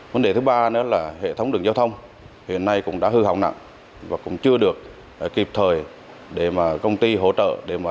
vấn đề thứ ba nữa là hệ thống đường giao thông hiện nay cũng đã hư hỏng nặng và cũng chưa được kịp thời để mà công ty hỗ trợ để